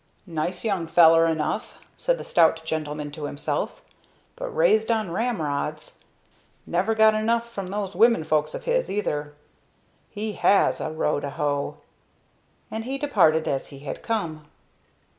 "Nice young feller enough," said the stout gentleman to himself, "but raised on ramrods. Never got 'em from those women folks of his, either. He has a row to hoe!" And he departed as he had come.